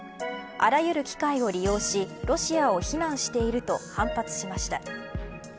あらゆる機会を利用しロシアを非難していると反発しました。